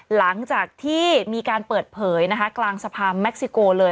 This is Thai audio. หลังจากที่มีการเปิดเผยนะคะกลางสะพานแม็กซิโกเลย